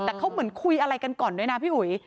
แต่เขาเหมือนคุยอะไรกันก่อนด้วยนะพี่อุ๋ย